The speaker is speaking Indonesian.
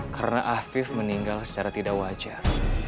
karena afid meninggal secara tidak wajar